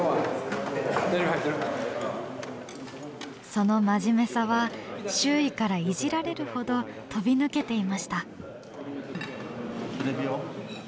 その真面目さは周囲からいじられるほど飛び抜けていました。